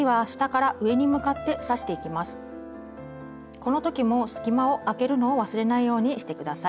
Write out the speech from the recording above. この時も隙間をあけるのを忘れないようにして下さい。